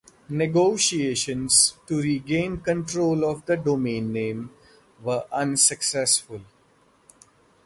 Negotiations to regain control of the domain name were unsuccessful.